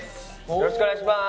よろしくお願いします。